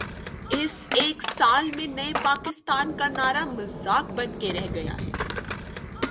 اس ایک سال میں نئے پاکستان کا نعرہ مذاق بن کے رہ گیا ہے۔